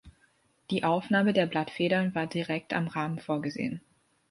Die Aufnahme der Blattfedern war direkt am Rahmen vorgesehen.